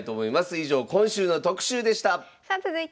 以上今週の特集でした。